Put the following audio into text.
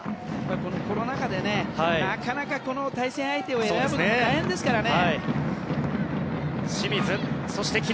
このコロナ禍でなかなか対戦相手を選ぶのは大変ですからね。